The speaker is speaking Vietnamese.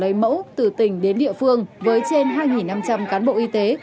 lấy mẫu từ tỉnh đến địa phương với trên hai năm trăm linh cán bộ y tế